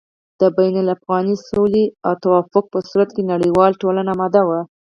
د بين الافغاني سولې او توافق په صورت کې نړېواله ټولنه اماده وه